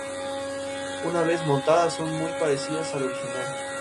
Más adelante la construcción se expandió, sirviendo como cementerio a la ciudad de Washington.